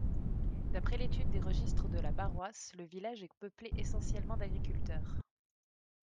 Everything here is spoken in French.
D’après l’étude des registres de la paroisse, le village est peuplé essentiellement d’agriculteurs.